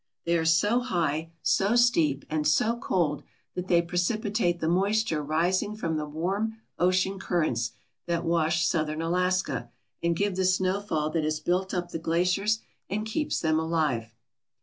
They are so high, so steep, and so cold that they precipitate the moisture rising from the warm ocean currents that wash southern Alaska, and give the snowfall that has built up the glaciers and keeps them alive.